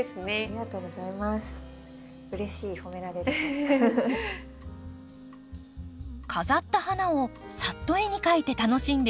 飾った花をさっと絵に描いて楽しんでいる美月さん。